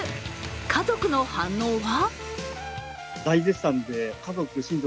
家族の反応は？